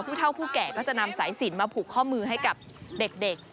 ผู้เท่าผู้แก่ก็จะนำสายสินมาผูกข้อมือให้กับเด็ก